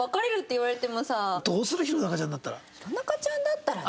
弘中ちゃんだったらね。